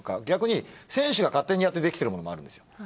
逆に選手が勝手にやってできてるものもあるんですよ。